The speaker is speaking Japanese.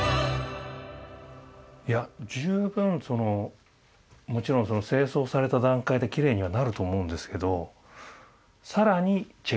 いや十分もちろん清掃された段階できれいにはなると思うんですけど更にチェックをされていく？